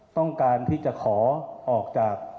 ต้องการที่จะขอออกจาก